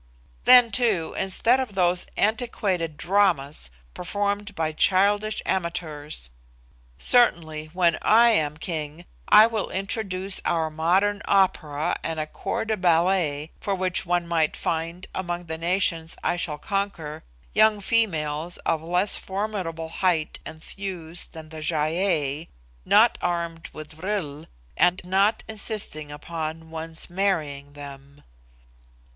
Then, too, instead of those antiquated dramas performed by childish amateurs, certainly, when I am king, I will introduce our modern opera and a 'corps de ballet,' for which one might find, among the nations I shall conquer, young females of less formidable height and thews than the Gy ei not armed with vril, and not insisting upon one's marrying them.